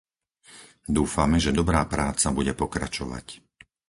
Dúfame, že dobrá práca bude pokračovať.